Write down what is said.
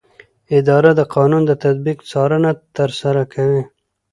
اداره د قانون د تطبیق څارنه ترسره کوي.